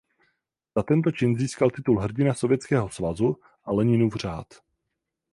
Za tento čin získal titul Hrdina Sovětského svazu a Leninův řád.